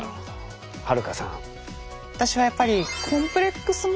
はるかさんは？